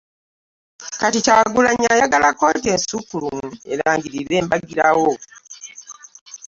Kati Kyagulanyi ayagala kkooti ensukkulumu erangirire mbagirawo